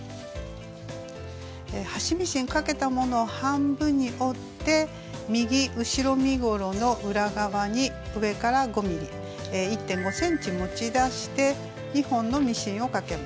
端ミシンかけたものを半分に折って右後ろ身ごろの裏側に上から５ｍｍ１．５ｃｍ持ち出して２本のミシンをかけます。